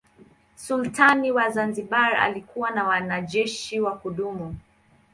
Sultani wa Zanzibar alikuwa na wanajeshi wa kudumu.